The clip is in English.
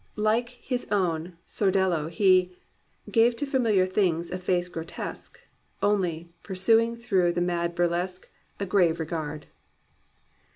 Like his own Sordello he "Gave to familiar things a face grotesque. Only, pursuing through the mad burlesque, A grave regard."